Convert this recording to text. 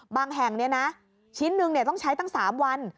แห่งชิ้นหนึ่งต้องใช้ตั้ง๓วัน